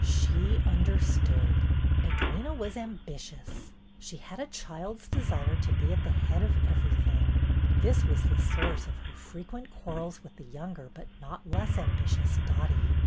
She understood. Edwyna was ambitious. She had a child's desire to be at the head of everything. This was the source of her frequent quarrels with the younger but not less ambitious Dottie.